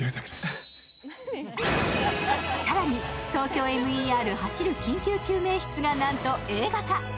更に「ＴＯＫＹＯＭＥＲ走る緊急救命室」がなんと映画化。